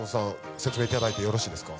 説明いただいてよろしいですか